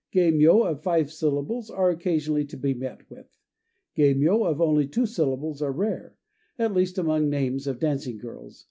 Geimyô of five syllables are occasionally to be met with; geimyô of only two syllables are rare at least among names of dancing girls.